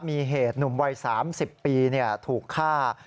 มีเหตุหนุ่มวัย๓๐ปีถูกฆ่า